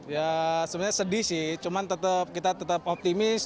ya sebenarnya sedih sih cuman tetap kita tetap optimis